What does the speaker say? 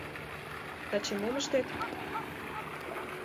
Таче мом ыштет?